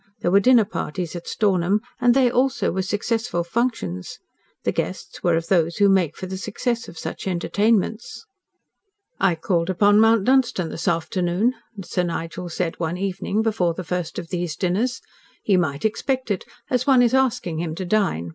There were dinner parties at Stornham, and they also were successful functions. The guests were of those who make for the success of such entertainments. "I called upon Mount Dunstan this afternoon," Sir Nigel said one evening, before the first of these dinners. "He might expect it, as one is asking him to dine.